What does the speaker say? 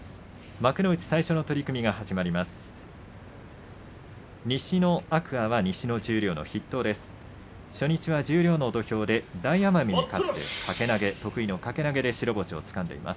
幕内最初の取組が始まります。